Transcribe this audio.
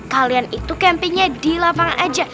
kamu campingnya di lapangan aja